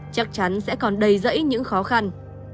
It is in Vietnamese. chắc chắn sẽ còn đầy dẫy những khó khăn